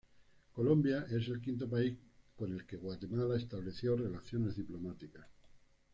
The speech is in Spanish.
Colombia es el quinto país con el que Guatemala estableció relaciones diplomáticas.